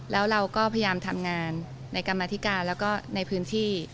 แล้วเราก็พยายามทำงานในกรรมธิการแล้วก็ในพื้นที่